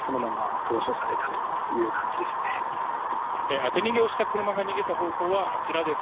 当て逃げをした車が逃げた方向はあちらです。